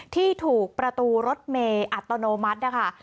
ที่ถูกประตูรถเมย์อัตโนมัตินะคะ